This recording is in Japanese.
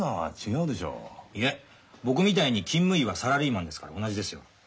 いえ僕みたいに勤務医はサラリーマンですから同じですよ。